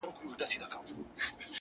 فلسفې نغښتي دي;